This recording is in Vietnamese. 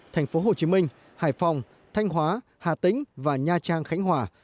thành phố hồ chí minh hải phòng thanh hóa hà tĩnh và nha trang khánh hòa